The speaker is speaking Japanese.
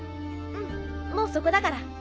うんもうそこだから。